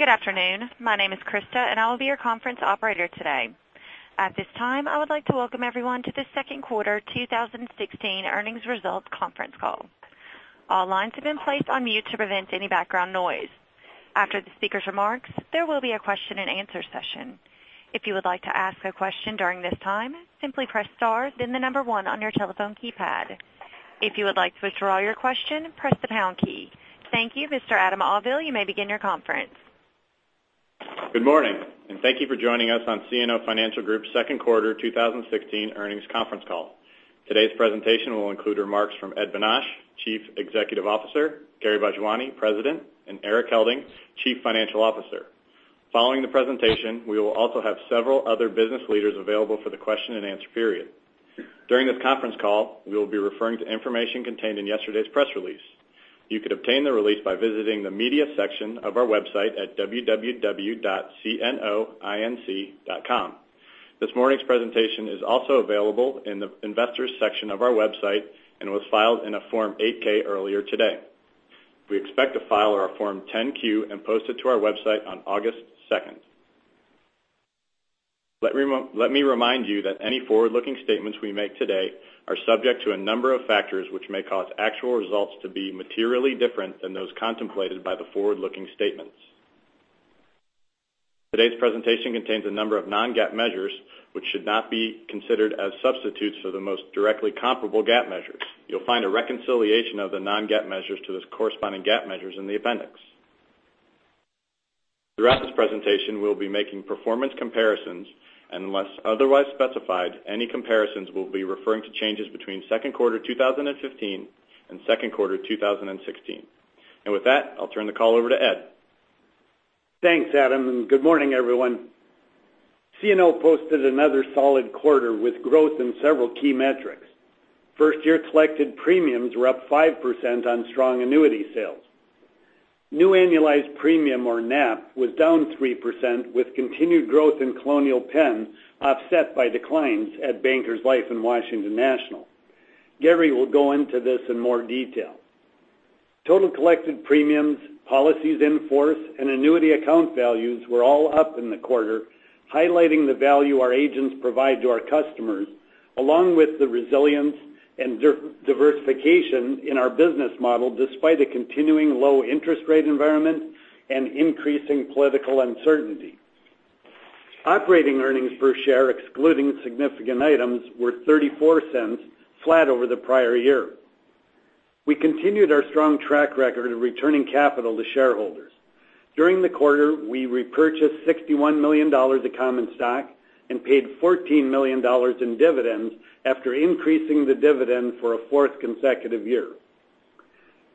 Good afternoon. My name is Krista, and I will be your conference operator today. At this time, I would like to welcome everyone to the second quarter 2016 earnings results conference call. All lines have been placed on mute to prevent any background noise. After the speaker's remarks, there will be a question and answer session. If you would like to ask a question during this time, simply press star then the number one on your telephone keypad. If you would like to withdraw your question, press the pound key. Thank you, Mr. Adam Auvil. You may begin your conference. Good morning. Thank you for joining us on CNO Financial Group's second quarter 2016 earnings conference call. Today's presentation will include remarks from Ed Bonach, Chief Executive Officer, Gary Bhojwani, President, and Erik Helding, Chief Financial Officer. Following the presentation, we will also have several other business leaders available for the question and answer period. During this conference call, we will be referring to information contained in yesterday's press release. You could obtain the release by visiting the media section of our website at www.cnoinc.com. This morning's presentation is also available in the investors section of our website and was filed in a Form 8-K earlier today. We expect to file our Form 10-Q and post it to our website on August 2nd. Let me remind you that any forward-looking statements we make today are subject to a number of factors which may cause actual results to be materially different than those contemplated by the forward-looking statements. Today's presentation contains a number of non-GAAP measures, which should not be considered as substitutes for the most directly comparable GAAP measures. You'll find a reconciliation of the non-GAAP measures to the corresponding GAAP measures in the appendix. Throughout this presentation, we'll be making performance comparisons, unless otherwise specified, any comparisons will be referring to changes between second quarter 2015 and second quarter 2016. With that, I'll turn the call over to Ed. Thanks, Adam. Good morning, everyone. CNO posted another solid quarter with growth in several key metrics. First-year collected premiums were up 5% on strong annuity sales. New annualized premium or NAP was down 3% with continued growth in Colonial Penn, offset by declines at Bankers Life and Washington National. Gary will go into this in more detail. Total collected premiums, policies in force, and annuity account values were all up in the quarter, highlighting the value our agents provide to our customers, along with the resilience and diversification in our business model despite a continuing low interest rate environment and increasing political uncertainty. Operating earnings per share excluding significant items were $0.34, flat over the prior year. We continued our strong track record of returning capital to shareholders. During the quarter, we repurchased $61 million of common stock and paid $14 million in dividends after increasing the dividend for a fourth consecutive year.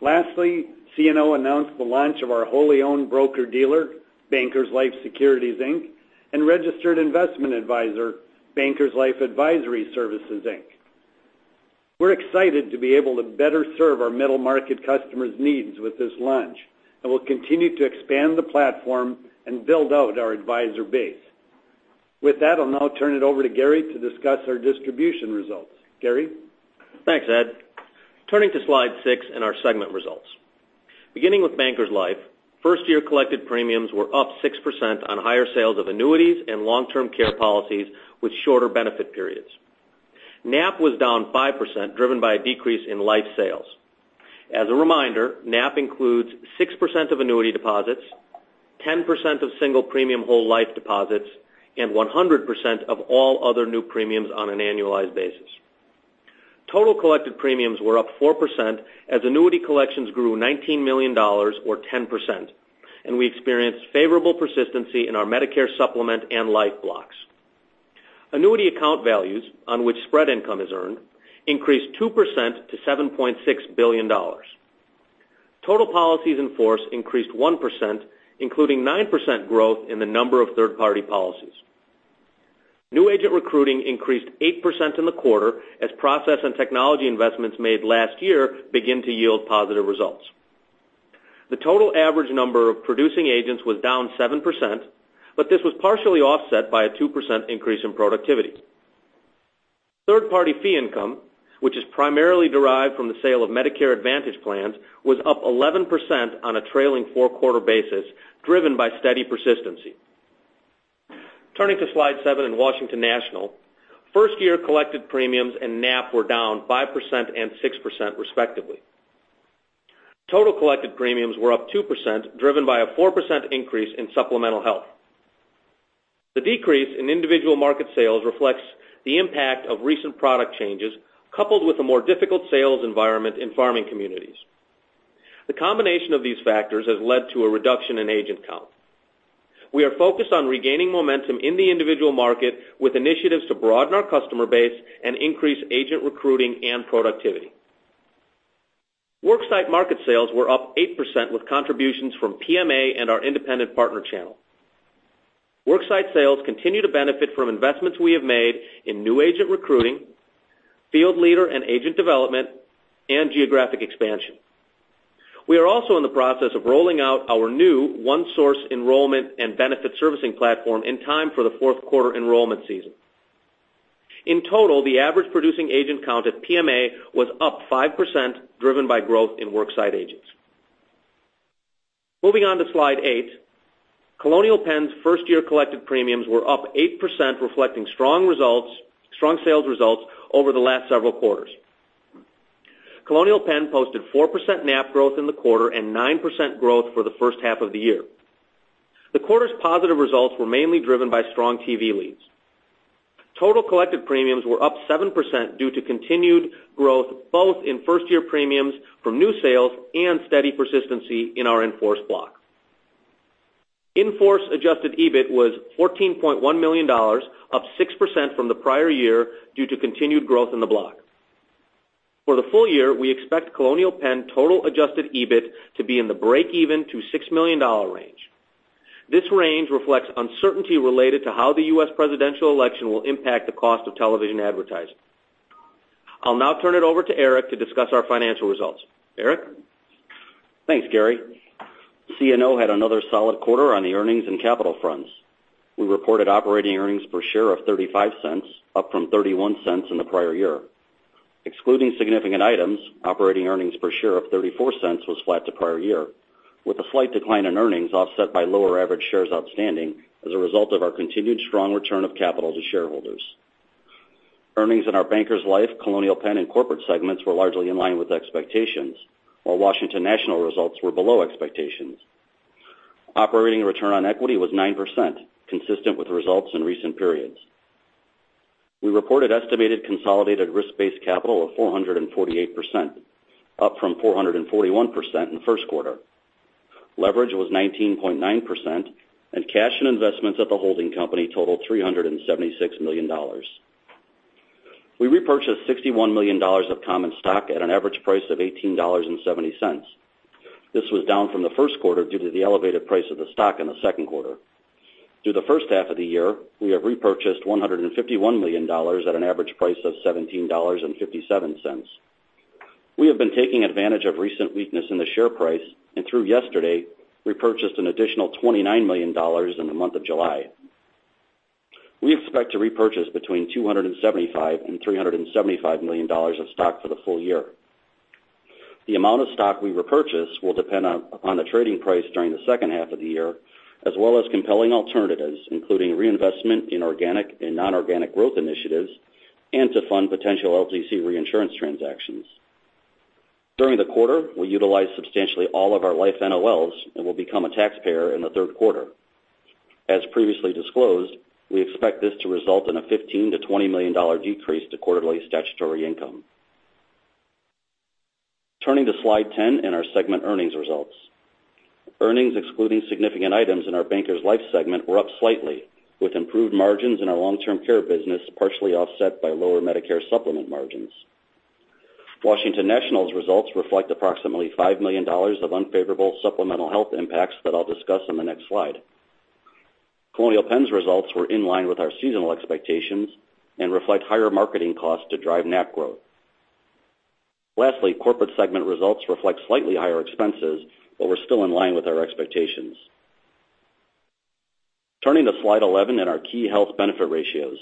Lastly, CNO announced the launch of our wholly owned broker-dealer, Bankers Life Securities Inc., and registered investment advisor, Bankers Life Advisory Services Inc. We're excited to be able to better serve our middle-market customers' needs with this launch, and we'll continue to expand the platform and build out our advisor base. With that, I'll now turn it over to Gary to discuss our distribution results. Gary? Thanks, Ed. Turning to slide six and our segment results. Beginning with Bankers Life, first-year collected premiums were up 6% on higher sales of annuities and long-term care policies with shorter benefit periods. NAP was down 5%, driven by a decrease in life sales. As a reminder, NAP includes 6% of annuity deposits, 10% of single premium whole life deposits, and 100% of all other new premiums on an annualized basis. Total collected premiums were up 4% as annuity collections grew $19 million or 10%, and we experienced favorable persistency in our Medicare supplement and life blocks. Annuity account values on which spread income is earned increased 2% to $7.6 billion. Total policies in force increased 1%, including 9% growth in the number of third-party policies. New agent recruiting increased 8% in the quarter as process and technology investments made last year begin to yield positive results. The total average number of producing agents was down 7%. This was partially offset by a 2% increase in productivity. Third-party fee income, which is primarily derived from the sale of Medicare Advantage plans, was up 11% on a trailing four-quarter basis, driven by steady persistency. Turning to slide seven in Washington National. First-year collected premiums and NAP were down 5% and 6% respectively. Total collected premiums were up 2%, driven by a 4% increase in supplemental health. The decrease in individual market sales reflects the impact of recent product changes, coupled with a more difficult sales environment in farming communities. The combination of these factors has led to a reduction in agent count. We are focused on regaining momentum in the individual market with initiatives to broaden our customer base and increase agent recruiting and productivity. Worksite market sales were up 8% with contributions from PMA and our independent partner channel. Worksite sales continue to benefit from investments we have made in new agent recruiting, field leader and agent development, and geographic expansion. We are also in the process of rolling out our new OneSource enrollment and benefit servicing platform in time for the fourth-quarter enrollment season. In total, the average producing agent count at PMA was up 5%, driven by growth in worksite agents. Moving on to slide eight. Colonial Penn's first-year collected premiums were up 8%, reflecting strong sales results over the last several quarters. Colonial Penn posted 4% NAP growth in the quarter and 9% growth for the first half of the year. The quarter's positive results were mainly driven by strong TV leads. Total collected premiums were up 7% due to continued growth, both in first-year premiums from new sales and steady persistency in our in-force block. In-force adjusted EBIT was $14.1 million, up 6% from the prior year due to continued growth in the block. For the full year, we expect Colonial Penn total adjusted EBIT to be in the breakeven to $6 million range. This range reflects uncertainty related to how the U.S. presidential election will impact the cost of television advertising. I'll now turn it over to Erik to discuss our financial results. Erik? Thanks, Gary. CNO had another solid quarter on the earnings and capital fronts. We reported operating earnings per share of $0.35, up from $0.31 in the prior year. Excluding significant items, operating earnings per share of $0.34 was flat to prior year, with a slight decline in earnings offset by lower average shares outstanding as a result of our continued strong return of capital to shareholders. Earnings in our Bankers Life, Colonial Penn, and Corporate segments were largely in line with expectations, while Washington National results were below expectations. Operating return on equity was 9%, consistent with results in recent periods. We reported estimated consolidated risk-based capital of 448%, up from 441% in the first quarter. Leverage was 19.9%, and cash and investments at the holding company totaled $376 million. We repurchased $61 million of common stock at an average price of $18.70. This was down from the first quarter due to the elevated price of the stock in the second quarter. Through the first half of the year, we have repurchased $151 million at an average price of $17.57. We have been taking advantage of recent weakness in the share price, and through yesterday, repurchased an additional $29 million in the month of July. We expect to repurchase between $275 million and $375 million of stock for the full year. The amount of stock we repurchase will depend upon the trading price during the second half of the year, as well as compelling alternatives, including reinvestment in organic and non-organic growth initiatives, and to fund potential LTC reinsurance transactions. During the quarter, we utilized substantially all of our life NOLs and will become a taxpayer in the third quarter. As previously disclosed, we expect this to result in a $15 million-$20 million decrease to quarterly statutory income. Turning to slide 10 and our segment earnings results. Earnings excluding significant items in our Bankers Life segment were up slightly, with improved margins in our long-term care business partially offset by lower Medicare supplement margins. Washington National's results reflect approximately $5 million of unfavorable supplemental health impacts that I'll discuss in the next slide. Colonial Penn's results were in line with our seasonal expectations and reflect higher marketing costs to drive NAP growth. Lastly, Corporate segment results reflect slightly higher expenses, but were still in line with our expectations. Turning to slide 11 and our key health benefit ratios.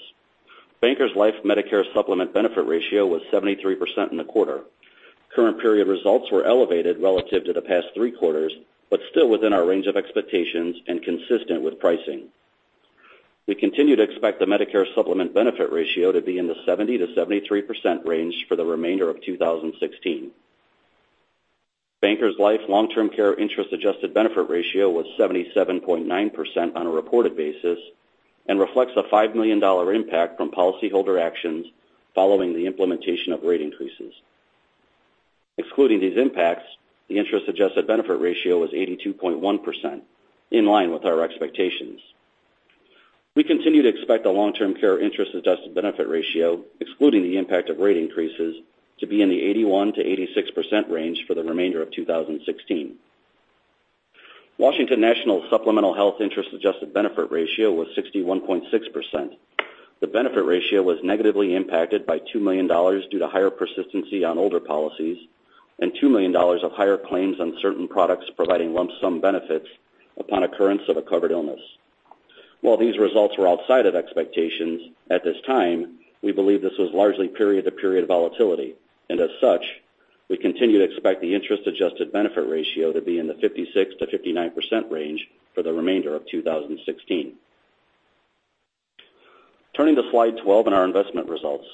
Bankers Life Medicare supplement benefit ratio was 73% in the quarter. Current period results were elevated relative to the past three quarters, but still within our range of expectations and consistent with pricing. We continue to expect the Medicare supplement benefit ratio to be in the 70%-73% range for the remainder of 2016. Bankers Life long-term care interest adjusted benefit ratio was 77.9% on a reported basis and reflects a $5 million impact from policyholder actions following the implementation of rate increases. Excluding these impacts, the interest-adjusted benefit ratio was 82.1%, in line with our expectations. We continue to expect the long-term care interest-adjusted benefit ratio, excluding the impact of rate increases, to be in the 81%-86% range for the remainder of 2016. Washington National supplemental health interest adjusted benefit ratio was 61.6%. The benefit ratio was negatively impacted by $2 million due to higher persistency on older policies and $2 million of higher claims on certain products providing lump sum benefits upon occurrence of a covered illness. While these results were outside of expectations, at this time, we believe this was largely period-to-period volatility. As such, we continue to expect the interest-adjusted benefit ratio to be in the 56%-59% range for the remainder of 2016. Turning to slide 12 and our investment results.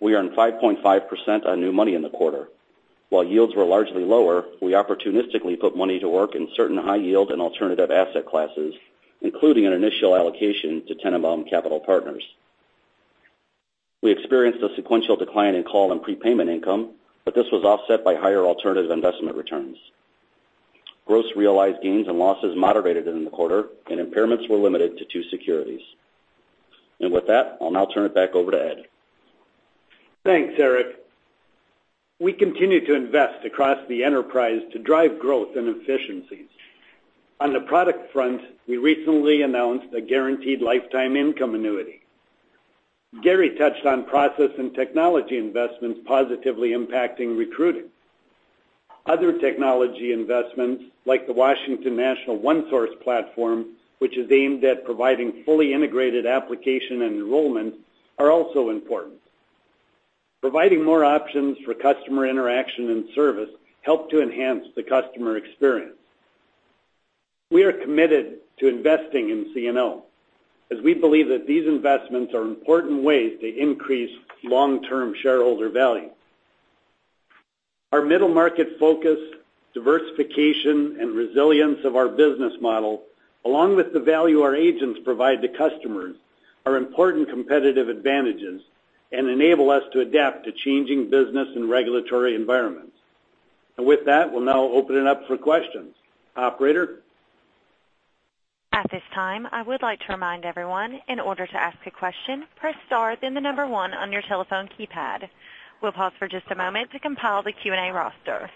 We earned 5.5% on new money in the quarter. While yields were largely lower, we opportunistically put money to work in certain high yield and alternative asset classes, including an initial allocation to Tennenbaum Capital Partners. We experienced a sequential decline in call and prepayment income, but this was offset by higher alternative investment returns. Gross realized gains and losses moderated in the quarter, and impairments were limited to two securities. With that, I'll now turn it back over to Ed. Thanks, Erik. We continue to invest across the enterprise to drive growth and efficiencies. On the product front, we recently announced a guaranteed lifetime income annuity. Gary touched on process and technology investments positively impacting recruiting. Other technology investments like the Washington National OneSource platform, which is aimed at providing fully integrated application and enrollment, are also important. Providing more options for customer interaction and service help to enhance the customer experience. We are committed to investing in CNO, as we believe that these investments are important ways to increase long-term shareholder value. Our middle market focus, diversification, and resilience of our business model, along with the value our agents provide to customers, are important competitive advantages and enable us to adapt to changing business and regulatory environments. With that, we'll now open it up for questions. Operator? At this time, I would like to remind everyone, in order to ask a question, press star, then the number 1 on your telephone keypad. We'll pause for just a moment to compile the Q&A roster.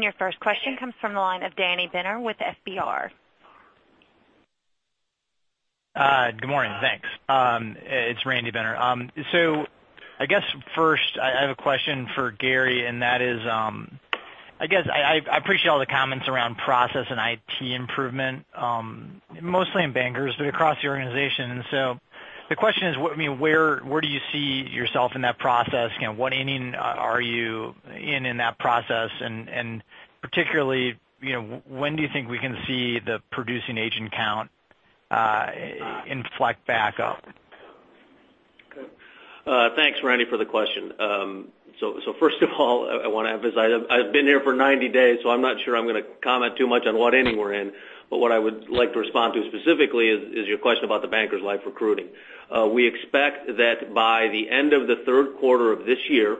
Your first question comes from the line of Randy Binner with FBR. Good morning. Thanks. It's Randy Binner. I guess first, I have a question for Gary, and that is I guess I appreciate all the comments around process and IT improvement, mostly in Bankers but across the organization. The question is, where do you see yourself in that process? What inning are you in in that process? Particularly, when do you think we can see the producing agent count inflect back up? Thanks, Randy, for the question. First of all, I want to emphasize I've been here for 90 days, I'm not sure I'm going to comment too much on what inning we're in. What I would like to respond to specifically is your question about the Bankers Life recruiting. We expect that by the end of the third quarter of this year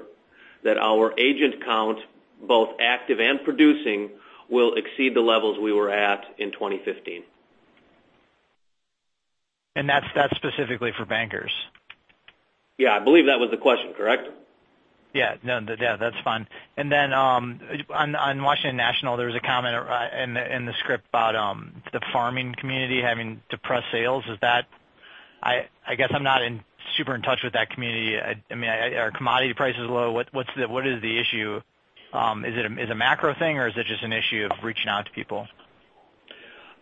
that our agent count, both active and producing, will exceed the levels we were at in 2015. That's specifically for Bankers. Yeah, I believe that was the question, correct? Yeah. No, that's fine. On Washington National, there was a comment in the script about the farming community having depressed sales. I guess I'm not super in touch with that community. Are commodity prices low? What is the issue? Is it a macro thing or is it just an issue of reaching out to people?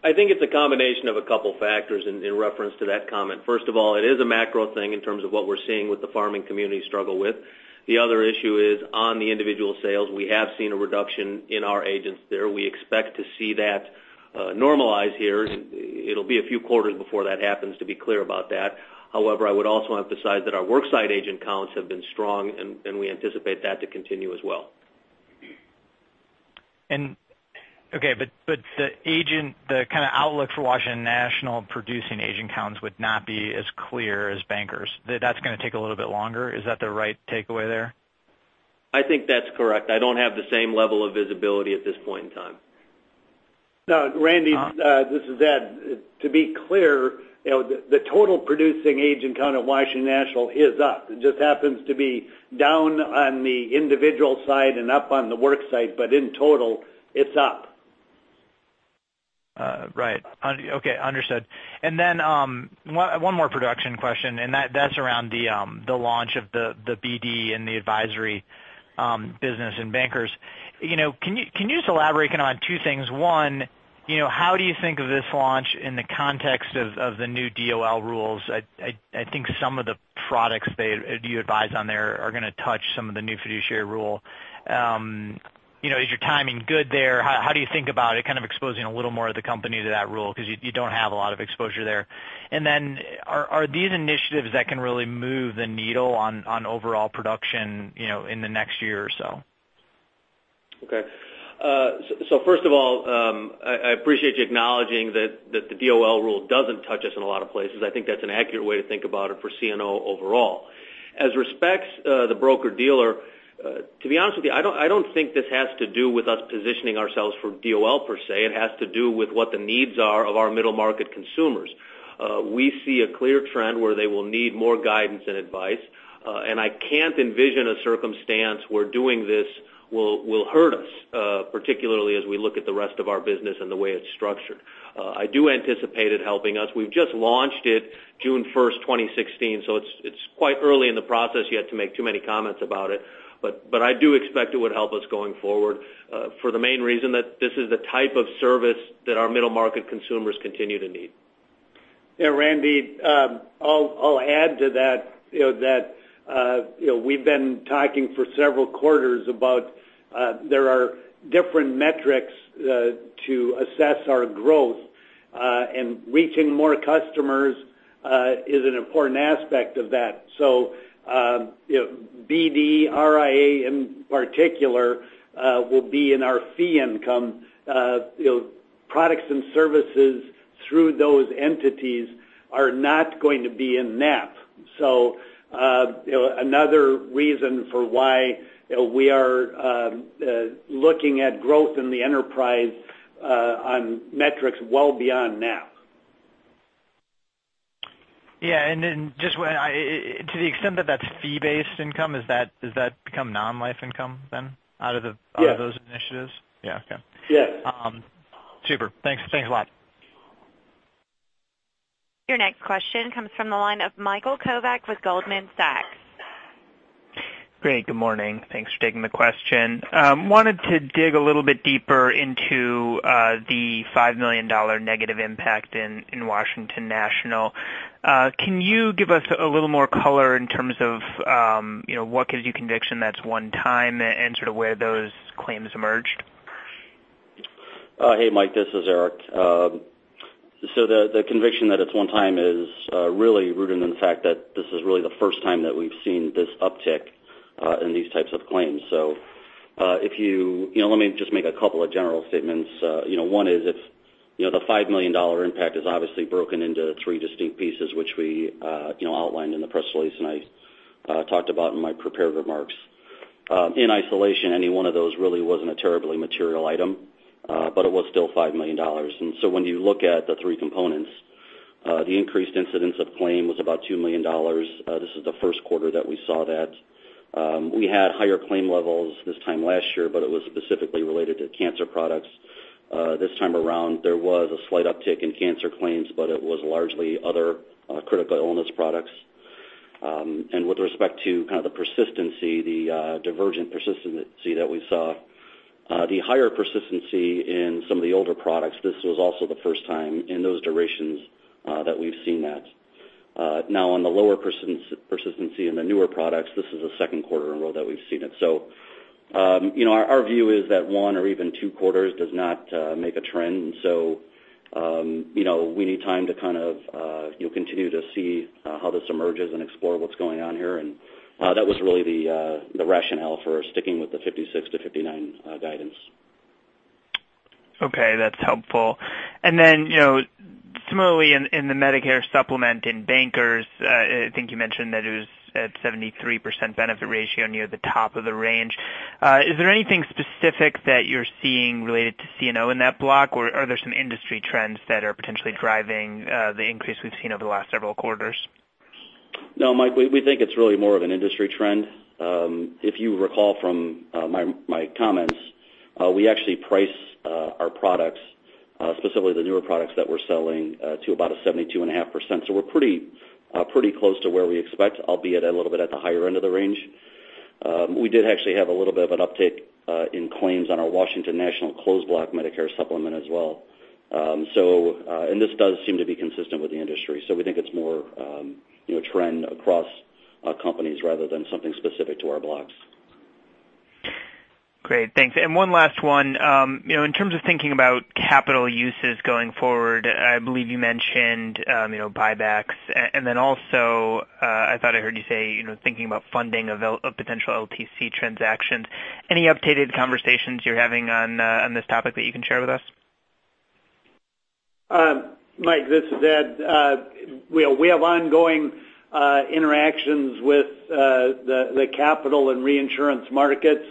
I think it's a combination of a couple factors in reference to that comment. First of all, it is a macro thing in terms of what we're seeing with the farming community struggle with. The other issue is on the individual sales, we have seen a reduction in our agents there. We expect to see that normalize here. It'll be a few quarters before that happens, to be clear about that. However, I would also emphasize that our work site agent counts have been strong, and we anticipate that to continue as well. Okay. The kind of outlook for Washington National producing agent counts would not be as clear as Bankers. That's going to take a little bit longer. Is that the right takeaway there? I think that's correct. I don't have the same level of visibility at this point in time. Now, Randy, this is Ed. To be clear, the total producing agent count of Washington National is up. It just happens to be down on the individual side and up on the work site. In total, it's up. Right. Okay. Understood. One more production question, and that's around the launch of the BD and the advisory business in Bankers. Can you just elaborate on two things? One, how do you think of this launch in the context of the new DOL rules? I think some of the products that you advise on there are going to touch some of the new fiduciary rule. Is your timing good there? How do you think about it kind of exposing a little more of the company to that rule? Because you don't have a lot of exposure there. Are these initiatives that can really move the needle on overall production in the next year or so? First of all, I appreciate you acknowledging that the DOL rule doesn't touch us in a lot of places. I think that's an accurate way to think about it for CNO overall. As respects the broker-dealer, to be honest with you, I don't think this has to do with us positioning ourselves for DOL per se. It has to do with what the needs are of our middle-market consumers. We see a clear trend where they will need more guidance and advice, and I can't envision a circumstance where doing this will hurt us, particularly as we look at the rest of our business and the way it's structured. I do anticipate it helping us. We've just launched it June 1st, 2016, so it's quite early in the process yet to make too many comments about it. I do expect it would help us going forward for the main reason that this is the type of service that our middle-market consumers continue to need. Yeah, Randy, I'll add to that we've been talking for several quarters about there are different metrics to assess our growth, and reaching more customers is an important aspect of that. BD, RIA in particular will be in our fee income. Products and services through those entities are not going to be in NAP. Another reason for why we are looking at growth in the enterprise on metrics well beyond NAP. Yeah. Then just to the extent that that's fee-based income, does that become non-life income then out of those initiatives? Yes. Yeah. Okay. Yes. Super. Thanks a lot. Your next question comes from the line of Michael Kovac with Goldman Sachs. Great. Good morning. Thanks for taking the question. Wanted to dig a little bit deeper into the $5 million negative impact in Washington National. Can you give us a little more color in terms of what gives you conviction that's one time, and sort of where those claims emerged? Hey, Mike, this is Erik. The conviction that it's one time is really rooted in the fact that this is really the first time that we've seen this uptick in these types of claims. Let me just make a couple of general statements. One is the $5 million impact is obviously broken into three distinct pieces, which we outlined in the press release and I talked about in my prepared remarks. In isolation, any one of those really wasn't a terribly material item, but it was still $5 million. When you look at the three components, the increased incidence of claim was about $2 million. This is the first quarter that we saw that. We had higher claim levels this time last year, but it was specifically related to cancer products. This time around, there was a slight uptick in cancer claims, but it was largely other critical illness products. With respect to kind of the persistency, the divergent persistency that we saw, the higher persistency in some of the older products, this was also the first time in those durations that we've seen that. Now on the lower persistency in the newer products, this is the second quarter in a row that we've seen it. Our view is that one or even two quarters does not make a trend. We need time to kind of continue to see how this emerges and explore what's going on here. That was really the rationale for sticking with the 56 to 59 guidance. Okay, that's helpful. Similarly in the Medicare supplement in Bankers, I think you mentioned that it was at 73% benefit ratio near the top of the range. Is there anything specific that you're seeing related to CNO in that block, or are there some industry trends that are potentially driving the increase we've seen over the last several quarters? No, Mike, we think it's really more of an industry trend. If you recall from my comments, we actually price our products, specifically the newer products that we're selling, to about a 72.5%. We're pretty close to where we expect, albeit a little bit at the higher end of the range. We did actually have a little bit of an uptick in claims on our Washington National Closed Block Medicare Supplement as well. This does seem to be consistent with the industry, we think it's more a trend across companies rather than something specific to our blocks. Great. Thanks. One last one. In terms of thinking about capital uses going forward, I believe you mentioned buybacks, then also I thought I heard you say thinking about funding of potential LTC transactions. Any updated conversations you're having on this topic that you can share with us? Mike, this is Ed. We have ongoing interactions with the capital and reinsurance markets,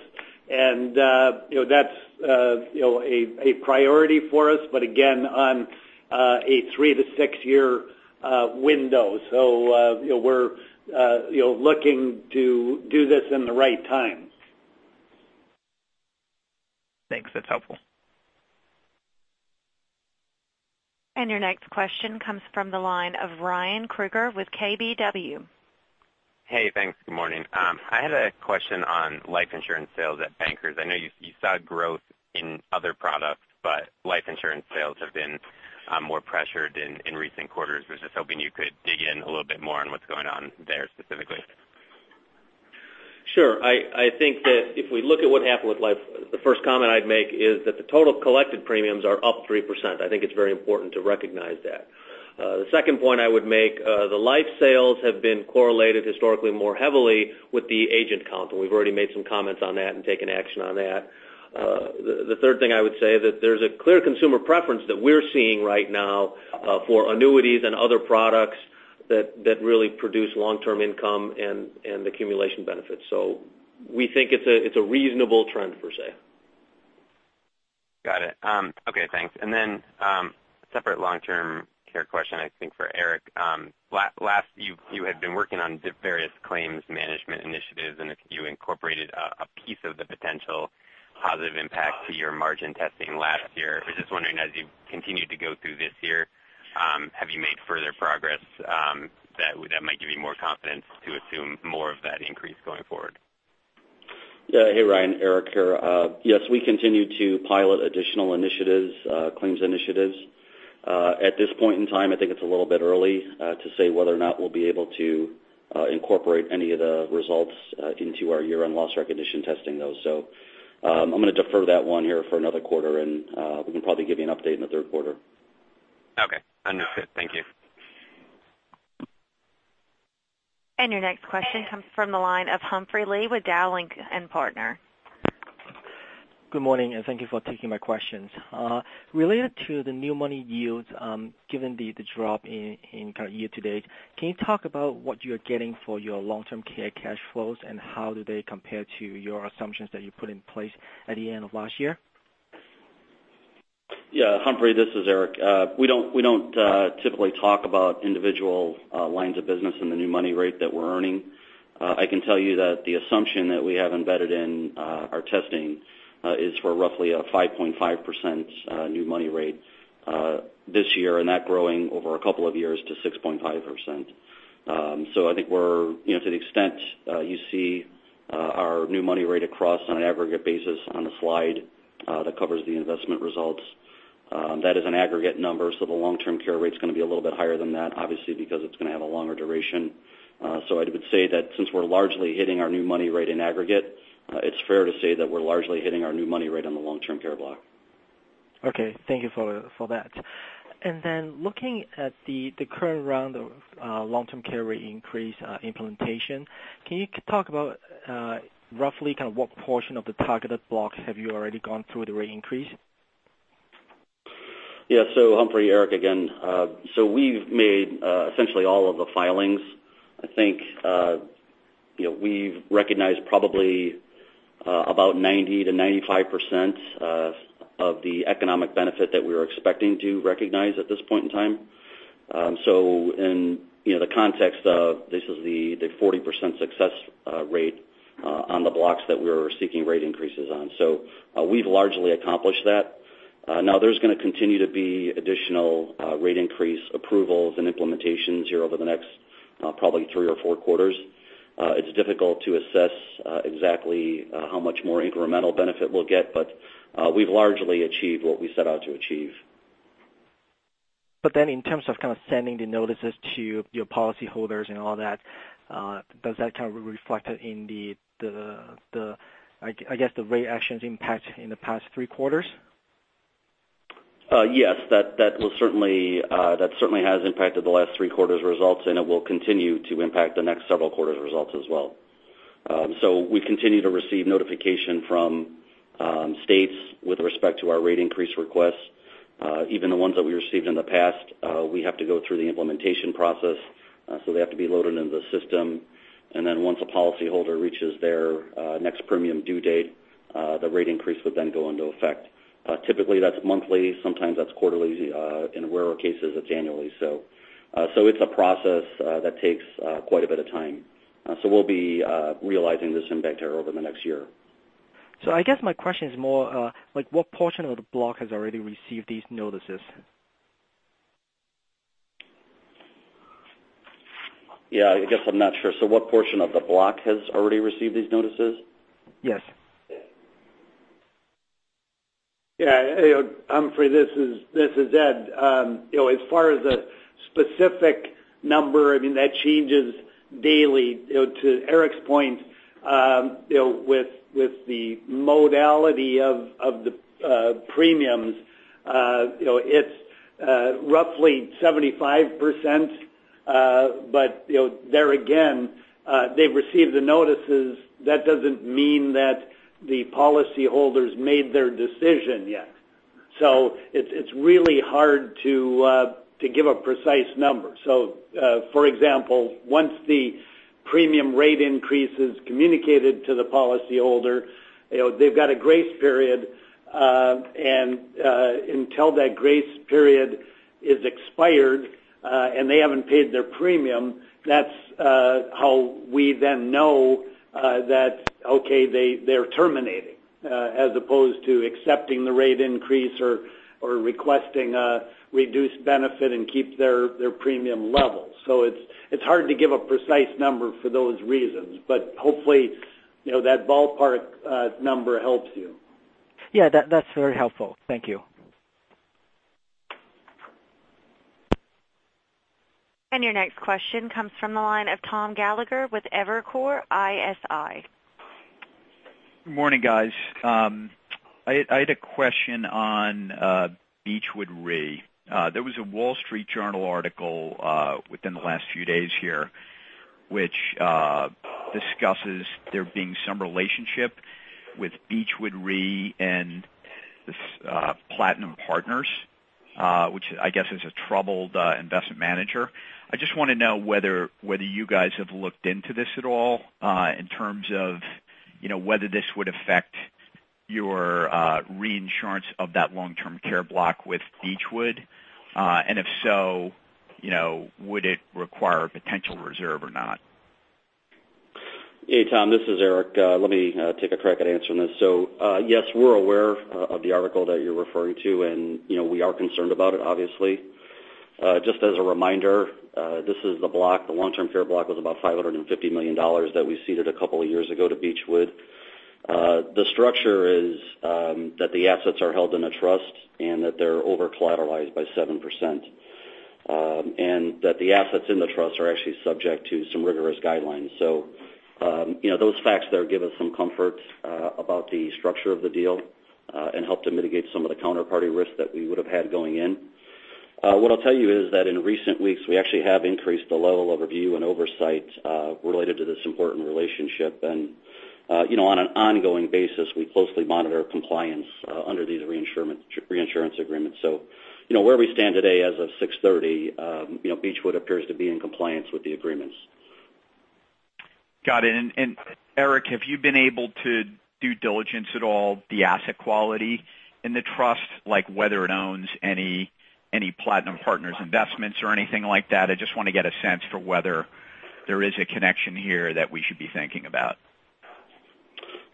that's a priority for us, but again, on a three to six year window. We're looking to do this in the right time. Thanks. That's helpful. Your next question comes from the line of Ryan Krueger with KBW. Hey, thanks. Good morning. I had a question on life insurance sales at Bankers Life. I know you saw growth in other products, but life insurance sales have been more pressured in recent quarters. Was just hoping you could dig in a little bit more on what's going on there specifically? Sure. I think that if we look at what happened with life, the first comment I'd make is that the total collected premiums are up 3%. I think it's very important to recognize that. The second point I would make, the life sales have been correlated historically more heavily with the agent count, and we've already made some comments on that and taken action on that. The third thing I would say is that there's a clear consumer preference that we're seeing right now for annuities and other products that really produce long-term income and accumulation benefits. We think it's a reasonable trend, per se. Got it. Okay, thanks. Then separate long-term care question, I think for Erik. Last, you had been working on various claims management initiatives, and if you incorporated a piece of the potential positive impact to your margin testing last year. I was just wondering, as you've continued to go through this year, have you made further progress that might give you more confidence to assume more of that increase going forward? Yeah. Hey, Ryan, Erik here. Yes, we continue to pilot additional initiatives, claims initiatives. At this point in time, I think it's a little bit early to say whether or not we'll be able to incorporate any of the results into our year-end loss recognition testing, though. I'm going to defer that one here for another quarter, and we can probably give you an update in the third quarter. Okay. Understood. Thank you. Your next question comes from the line of Humphrey Lee with Dowling & Partners. Good morning, and thank you for taking my questions. Related to the new money yields, given the drop in kind of year to date, can you talk about what you're getting for your Long-Term Care cash flows, and how do they compare to your assumptions that you put in place at the end of last year? Humphrey, this is Erik. We don't typically talk about individual lines of business and the new money rate that we're earning. I can tell you that the assumption that we have embedded in our testing is for roughly a 5.5% new money rate this year, and that growing over a couple of years to 6.5%. I think to the extent you see our new money rate across on an aggregate basis on the slide that covers the investment results, that is an aggregate number. The Long-Term Care rate's going to be a little bit higher than that, obviously, because it's going to have a longer duration. I would say that since we're largely hitting our new money rate in aggregate, it's fair to say that we're largely hitting our new money rate on the Long-Term Care block. Okay. Thank you for that. Looking at the current round of Long-Term Care rate increase implementation, can you talk about roughly what portion of the targeted blocks have you already gone through the rate increase? Humphrey, Erik again. We've made essentially all of the filings. I think we've recognized probably about 90%-95% of the economic benefit that we were expecting to recognize at this point in time. In the context of this is the 40% success rate on the blocks that we were seeking rate increases on. We've largely accomplished that. There's going to continue to be additional rate increase approvals and implementations here over the next probably three or four quarters. It's difficult to assess exactly how much more incremental benefit we'll get, but we've largely achieved what we set out to achieve. In terms of kind of sending the notices to your policyholders and all that, does that kind of reflected in the, I guess, the rate actions impact in the past three quarters? Yes. That certainly has impacted the last three quarters results, and it will continue to impact the next several quarters results as well. We continue to receive notification from states with respect to our rate increase requests. Even the ones that we received in the past, we have to go through the implementation process, so they have to be loaded into the system. Once a policyholder reaches their next premium due date, the rate increase would then go into effect. Typically, that's monthly, sometimes that's quarterly. In rarer cases, it's annually. It's a process that takes quite a bit of time. We'll be realizing this impact over the next year. I guess my question is more like what portion of the block has already received these notices? Yeah, I guess I'm not sure. What portion of the block has already received these notices? Yes. Yeah, Humphrey, this is Ed. As far as a specific number, I mean, that changes daily. To Erik's point, with the modality of the premiums, it's roughly 75%. There again, they've received the notices, that doesn't mean that the policyholders made their decision yet. It's really hard to give a precise number. For example, once the premium rate increase is communicated to the policyholder, they've got a grace period. Until that grace period is expired, and they haven't paid their premium, that's how we then know that, okay, they're terminating, as opposed to accepting the rate increase or requesting a reduced benefit and keep their premium level. It's hard to give a precise number for those reasons, but hopefully, that ballpark number helps you. Yeah. That's very helpful. Thank you. Your next question comes from the line of Tom Gallagher with Evercore ISI. Good morning, guys. I had a question on Beechwood Re. There was a Wall Street Journal article within the last few days here, which discusses there being some relationship with Beechwood Re and this Platinum Partners, which I guess is a troubled investment manager. If so, would it require a potential reserve or not? Hey, Tom, this is Erik. Let me take a crack at answering this. Yes, we're aware of the article that you're referring to, and we are concerned about it, obviously. Just as a reminder, this is the block, the long-term care block was about $550 million that we ceded a couple of years ago to Beechwood. The structure is that the assets are held in a trust, and that they're over-collateralized by 7%, and that the assets in the trust are actually subject to some rigorous guidelines. Those facts there give us some comfort about the structure of the deal, and help to mitigate some of the counterparty risks that we would have had going in. What I'll tell you is that in recent weeks, we actually have increased the level of review and oversight related to this important relationship. On an ongoing basis, we closely monitor compliance under these reinsurance agreements. Where we stand today as of 6/30, Beechwood Re appears to be in compliance with the agreements. Got it. Erik, have you been able to due diligence at all the asset quality in the trust, like whether it owns any Platinum Partners investments or anything like that? I just want to get a sense for whether there is a connection here that we should be thinking about.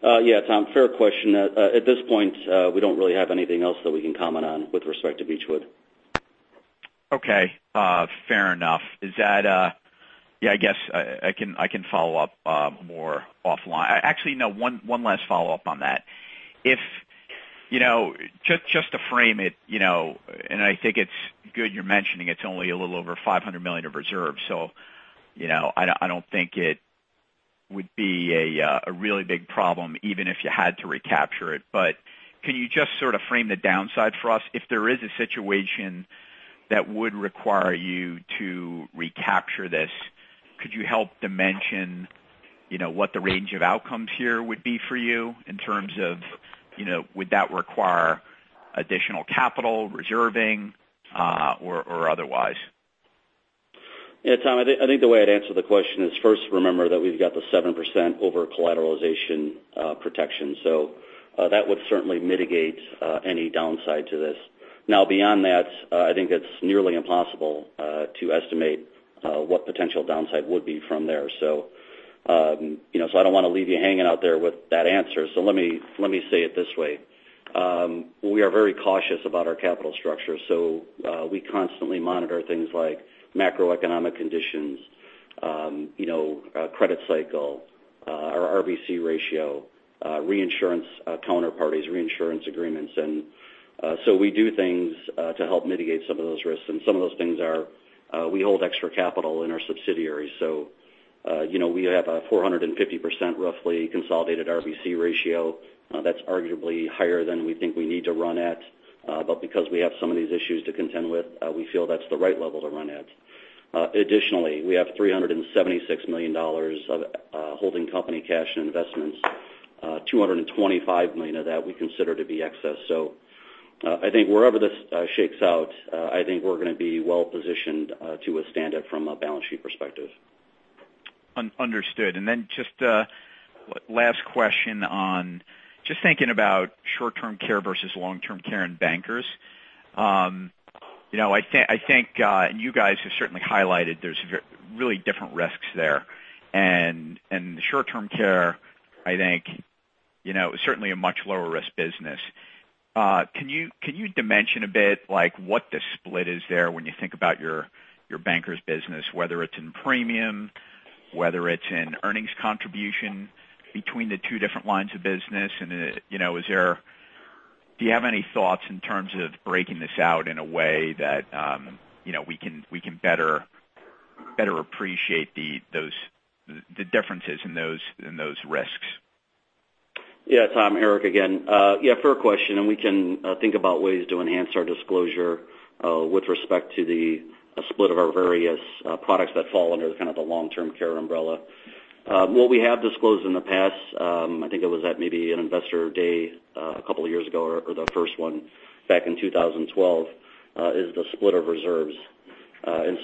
Yeah, Tom, fair question. At this point, we don't really have anything else that we can comment on with respect to Beechwood Re. Okay. Fair enough. I guess I can follow up more offline. Actually, no, one last follow-up on that. Just to frame it, I think it's good you're mentioning it's only a little over $500 million of reserves, I don't think it would be a really big problem even if you had to recapture it. Can you just sort of frame the downside for us? If there is a situation that would require you to recapture this, could you help dimension what the range of outcomes here would be for you in terms of would that require additional capital reserving or otherwise? Yeah, Tom, I think the way I'd answer the question is first remember that we've got the 7% over-collateralization protection. That would certainly mitigate any downside to this. Beyond that, I think it's nearly impossible to estimate what potential downside would be from there. I don't want to leave you hanging out there with that answer, so let me say it this way. We are very cautious about our capital structure. We constantly monitor things like macroeconomic conditions, credit cycle, our RBC ratio, reinsurance counterparties, reinsurance agreements. We do things to help mitigate some of those risks, and some of those things are we hold extra capital in our subsidiaries. We have a 450% roughly consolidated RBC ratio. That's arguably higher than we think we need to run at. Because we have some of these issues to contend with, we feel that's the right level to run at. Additionally, we have $376 million of holding company cash and investments, $225 million of that we consider to be excess. I think wherever this shakes out, I think we're going to be well-positioned to withstand it from a balance sheet perspective. Understood. Just a last question on just thinking about short-term care versus long-term care in Bankers. I think you guys have certainly highlighted there's really different risks there, and the short-term care, I think, certainly a much lower risk business. Can you dimension a bit what the split is there when you think about your Bankers business, whether it's in premium, whether it's in earnings contribution between the two different lines of business, and do you have any thoughts in terms of breaking this out in a way that we can better appreciate the differences in those risks? Yeah, Tom, Erik again. Fair question, and we can think about ways to enhance our disclosure with respect to the split of our various products that fall under kind of the long-term care umbrella. What we have disclosed in the past, I think it was at maybe an investor day a couple of years ago, or the first one back in 2012, is the split of reserves.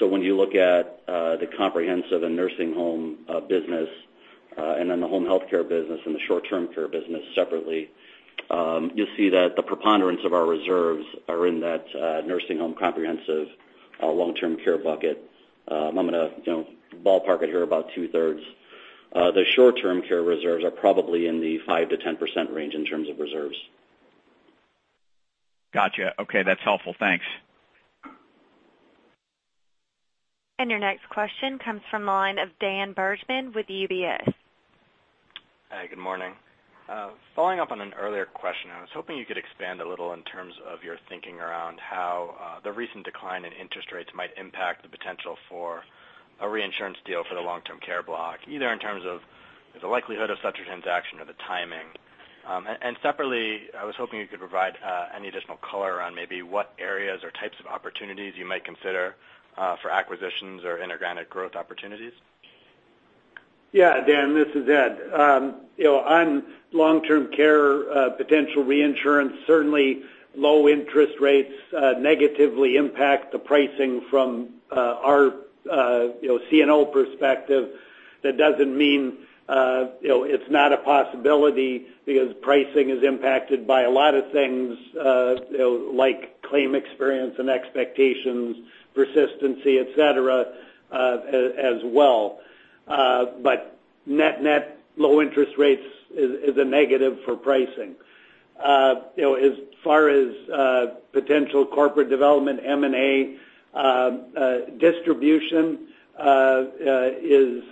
When you look at the comprehensive and nursing home business, and then the home healthcare business and the short-term care business separately you'll see that the preponderance of our reserves are in that nursing home comprehensive long-term care bucket. I'm going to ballpark it here about two-thirds. The short-term care reserves are probably in the 5%-10% range in terms of reserves. Got you. Okay, that's helpful. Thanks. Your next question comes from the line of Daniel Bergman with UBS. Hi, good morning. Following up on an earlier question, I was hoping you could expand a little in terms of your thinking around how the recent decline in interest rates might impact the potential for a reinsurance deal for the long-term care block, either in terms of the likelihood of such a transaction or the timing. Separately, I was hoping you could provide any additional color around maybe what areas or types of opportunities you might consider for acquisitions or inorganic growth opportunities. Yeah, Dan, this is Ed. On long-term care potential reinsurance, certainly low interest rates negatively impact the pricing from our CNO perspective. That doesn't mean it's not a possibility because pricing is impacted by a lot of things like claim experience and expectations, persistency, et cetera, as well. Net low interest rates is a negative for pricing. As far as potential corporate development, M&A, distribution is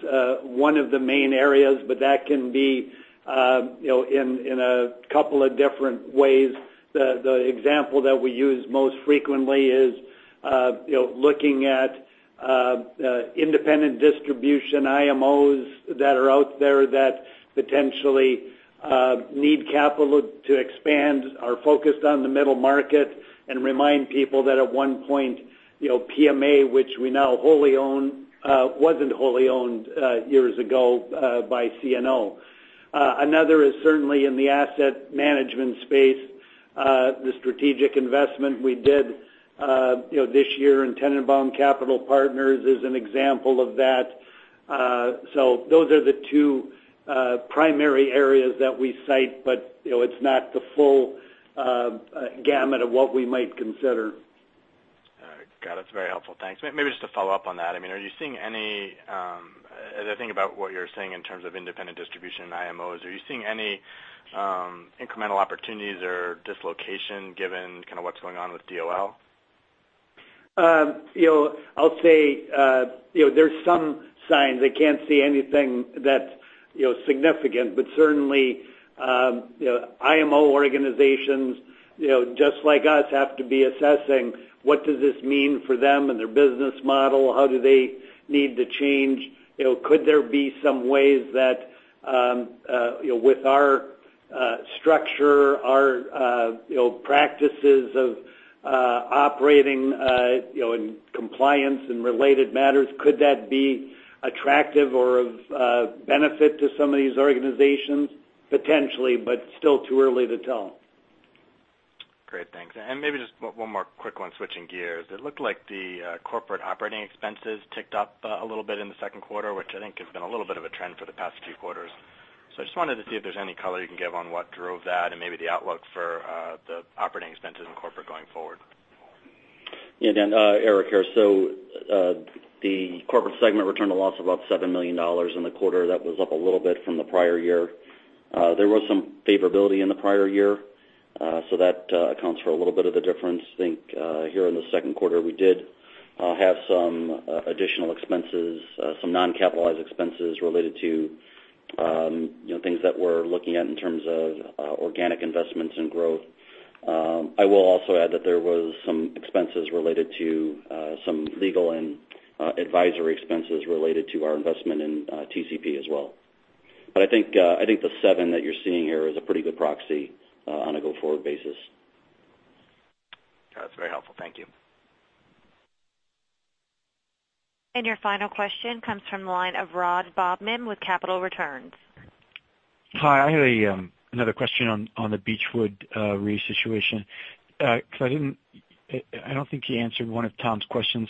one of the main areas, but that can be in a couple of different ways. The example that we use most frequently is looking at independent distribution IMOs that are out there that potentially need capital to expand, are focused on the middle market, and remind people that at one point, PMA, which we now wholly own, wasn't wholly owned years ago by CNO. Another is certainly in the asset management space. The strategic investment we did this year in Tennenbaum Capital Partners is an example of that. Those are the two primary areas that we cite, but it's not the full gamut of what we might consider That's very helpful. Thanks. Maybe just to follow up on that, as I think about what you're saying in terms of independent distribution and IMOs, are you seeing any incremental opportunities or dislocation given what's going on with DOL? I'll say there's some signs. I can't see anything that's significant. Certainly, IMO organizations, just like us, have to be assessing what does this mean for them and their business model. How do they need to change? Could there be some ways that with our structure, our practices of operating in compliance and related matters, could that be attractive or of benefit to some of these organizations? Potentially, but still too early to tell. Great. Thanks. Maybe just one more quick one, switching gears. It looked like the corporate operating expenses ticked up a little bit in the second quarter, which I think has been a little bit of a trend for the past few quarters. I just wanted to see if there's any color you can give on what drove that and maybe the outlook for the operating expenses in corporate going forward. Yeah. Erik here. The corporate segment returned a loss of about $7 million in the quarter. That was up a little bit from the prior year. There was some favorability in the prior year, that accounts for a little bit of the difference. I think here in the second quarter, we did have some additional expenses, some non-capitalized expenses related to things that we're looking at in terms of organic investments and growth. I will also add that there was some expenses related to some legal and advisory expenses related to our investment in TCP as well. I think the seven that you're seeing here is a pretty good proxy on a go-forward basis. That's very helpful. Thank you. Your final question comes from the line of Ron Bobman with Capital Returns. Hi. I had another question on the Beechwood Re situation, I don't think you answered one of Tom's questions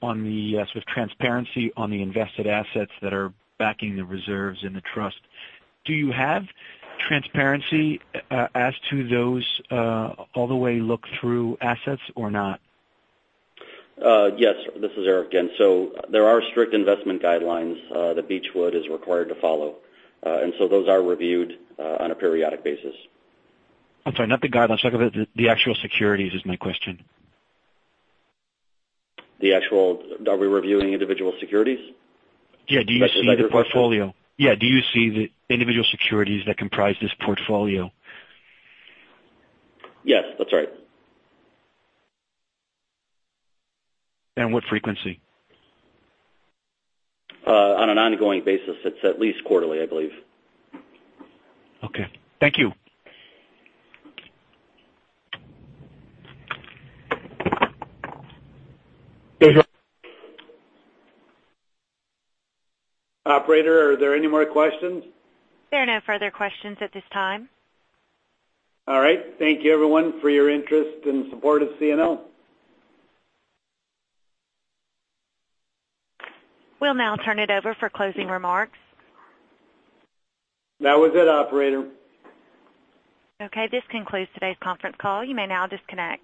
on the sort of transparency on the invested assets that are backing the reserves in the trust. Do you have transparency as to those all the way look-through assets or not? Yes. This is Erik again. There are strict investment guidelines that Beechwood is required to follow. Those are reviewed on a periodic basis. I'm sorry, not the guidelines. The actual securities is my question. Are we reviewing individual securities? Yeah. Do you see the portfolio? Is that your question? Yeah. Do you see the individual securities that comprise this portfolio? Yes, that's right. What frequency? On an ongoing basis. It's at least quarterly, I believe. Okay. Thank you. Operator, are there any more questions? There are no further questions at this time. All right. Thank you everyone for your interest and support of CNO. We'll now turn it over for closing remarks. That was it, operator. Okay, this concludes today's conference call. You may now disconnect.